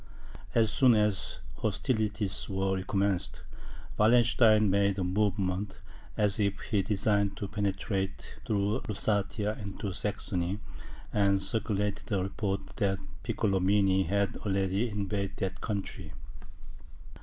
As soon as hostilities were recommenced, Wallenstein made a movement, as if he designed to penetrate through Lusatia into Saxony, and circulated the report that Piccolomini had already invaded that country.